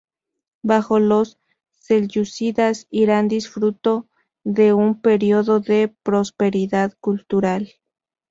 Bajo los selyúcidas, Irán disfrutó de un período de prosperidad cultural.